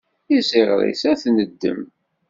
Iziɣer-is ad t-neddem.